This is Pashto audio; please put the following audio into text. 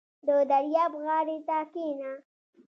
• د دریاب غاړې ته کښېنه.